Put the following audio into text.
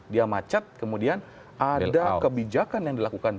dia macet kemudian ada kebijakan yang dilakukan